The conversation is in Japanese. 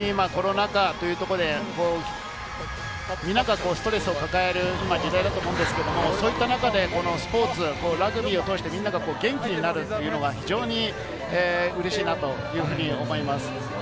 改めてファンの方々の声非常にコロナ禍というところで、みんながストレスを抱える時代だと思うんですけれど、そういった中でスポーツ、ラグビーを通して、みんなが元気になるというのが、非常にうれしいなというふうに思います。